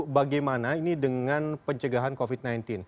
bagaimana ini dengan pencegahan covid sembilan belas